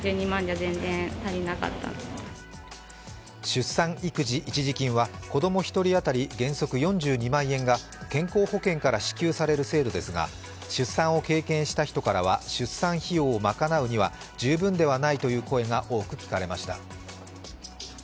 出産育児一時金は子供１人当たり原則４２万円が健康保険から支給される制度ですが出産を経験した人からは出産費用を賄うには十分ではないという声が多く聞かれました。